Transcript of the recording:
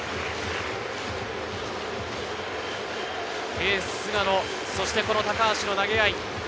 エース・菅野、そして高橋の投げ合い。